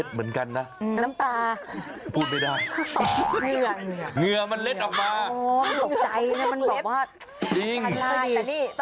ห้ามปล่อยมือหน่อย